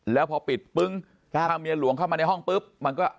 แล้วพอปิดปึ้งถ้าเมียหลวงเข้ามาในห้องปุ๊บมันก็